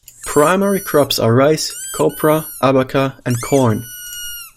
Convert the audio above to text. Primary crops are rice, copra, abaca, and corn.